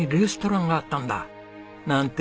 なんて